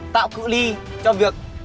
tạo cự li cho việc